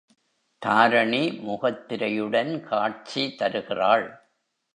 தாரிணி முகத்திரையுடன் காட்சி தருகிறாள்.